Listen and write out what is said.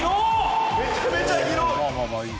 めちゃめちゃ広い。